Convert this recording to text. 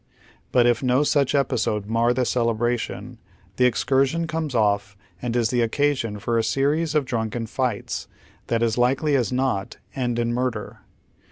But if no such episode. mar the celebration, the excursion comes off and is the occasion for a series of drunkeo fights that as likely as not end in murder.